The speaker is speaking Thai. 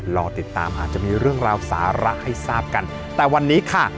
รอติดตามอาจจะมีเรื่องราวสาระให้ทราบกันแต่วันนี้ค่ะ